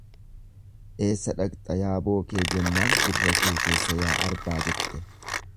Eessa dhaqxa yaa bookee jennaan, gurra kee keessa yaa arbaa jette.